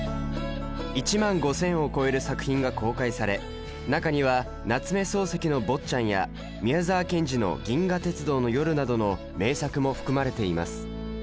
１万５，０００を超える作品が公開され中には夏目漱石の「坊っちゃん」や宮沢賢治の「銀河鉄道の夜」などの名作も含まれています。